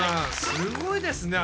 すごいですね